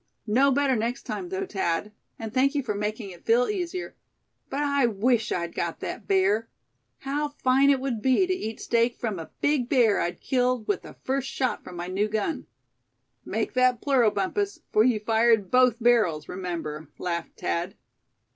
"Know better next time, though, Thad; and thank you for making it feel easier. But I wish I'd got that bear. How fine it would be to eat steak from a big bear I'd killed with the first shot from my new gun." "Make that plural, Bumpus, for you fired both barrels, remember," laughed Thad.